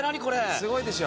すごいでしょ？